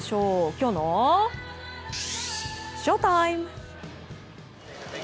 きょうのＳＨＯＴＩＭＥ！